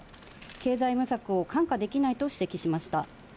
経済無策を看過できないと指摘しました。